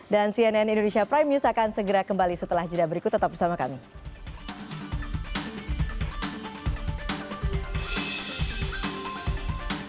dan cnn indonesia prime news akan segera kembali setelah jeda berikut tetap bersama kami